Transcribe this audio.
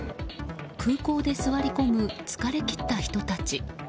空港で座り込む疲れ切った人たち。